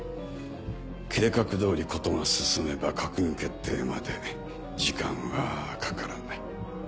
計画通り事が進めば閣議決定まで時間はかからない。